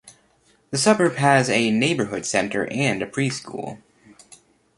The suburb has a neighbourhood centre and a preschool.